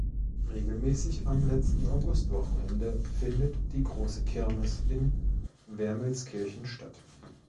Regelmäßig am letzten Augustwochenende findet die große Kirmes in Wermelskirchen statt.